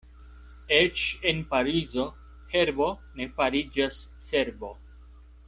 Eĉ en Parizo herbo ne fariĝas cerbo.